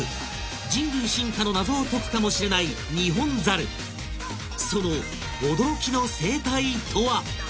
人類進化の謎を解くかもしれないニホンザルその驚きの生態とは？